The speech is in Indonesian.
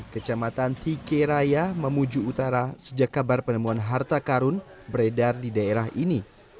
kecamatan tike raya mamuju utara sejak kabar penemuan harta karun beredar di daerah ini